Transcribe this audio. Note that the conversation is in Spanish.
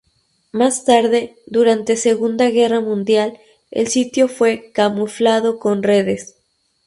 Más tarde, durante Segunda Guerra Mundial, el sitio fue camuflado con redes.